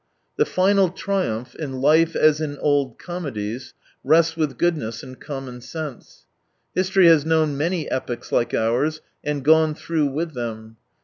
The final triumph, in life as in old comedies, rests with goodness and common sense. History has known many epochs like ours, and gone through with them.